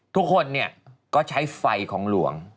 ทุกคนเนี่ยก็ใช้ไฟของหลวง